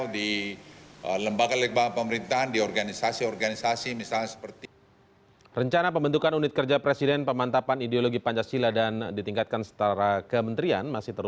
di lembaga pemerintahan di organisasi organisasi misalnya seperti ini